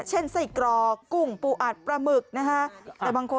เช่นไส้กรอกกุ้งปูอัดปลาหมึกนะฮะ